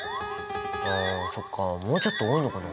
あそっかもうちょっと多いのかな。